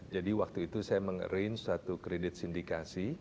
jadi waktu itu saya mengarrange satu kredit sindikasi